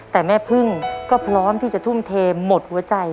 แต่แม่พึ่งก็พร้อมที่จะทุ่มเทหมดหัวใจ